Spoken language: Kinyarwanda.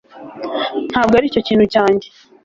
ntabwo aricyo kintu cyanjye